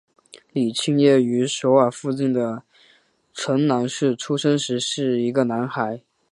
李庆烨于首尔附近的城南市出生时是一个男孩。